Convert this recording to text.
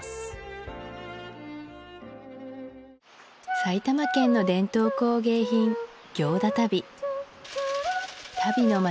埼玉県の伝統工芸品足袋の町